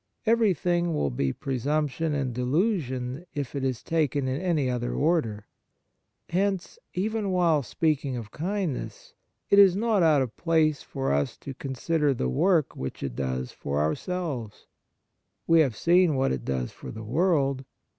Everything will be presumption and delusion if it is taken in any other order. Hence, even while speaking of kindness, it is not out of place for us to consider the work which it does for ourselves. We have seen what it does for the world.